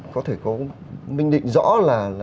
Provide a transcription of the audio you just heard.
có thể có minh định rõ là